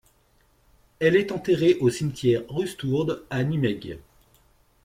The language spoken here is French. Elle est enterrée au cimetière Rustoord à Nimègue.